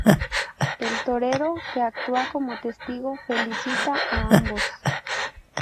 El torero que actúa como testigo felicita a ambos.